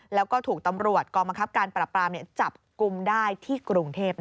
แล้วก็ถูกตำรวจกองบังคับการปรับปรามจับกลุ่มได้ที่กรุงเทพ